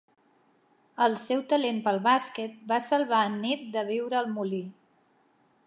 El seu talent pel bàsquet va salvar en Ned de viure al molí.